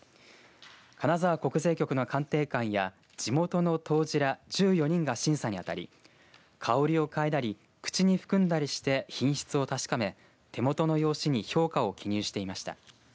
金沢国税局の鑑定官や地元の杜氏ら１４人が審査に当たり香りを嗅いだり口に含んだりして品質を確かめ手元の用紙に評価を記入していました。